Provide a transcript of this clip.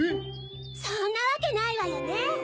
そんなわけないわよね？